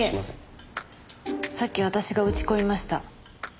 いえさっき私が打ち込みました。